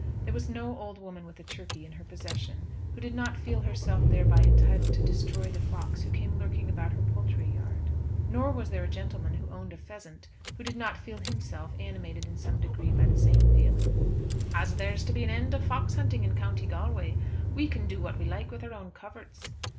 There was no old woman with a turkey in her possession who did not feel herself thereby entitled to destroy the fox who came lurking about her poultry yard. Nor was there a gentleman who owned a pheasant who did not feel himself animated in some degree by the same feeling. "As there's to be an end of fox hunting in County Galway, we can do what we like with our own coverts."